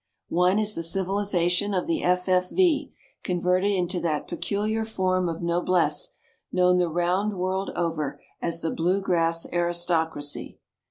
One is the civilization of the F.F.V., converted into that peculiar form of noblesse known the round world over as the Blue Grass Aristocracy.